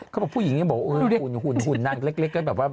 เขาบอกผู้หญิงยังบอกหุ่นนางเล็กก็แบบว่า